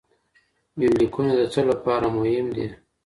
يونليکونه د څه لپاره مهم دي؟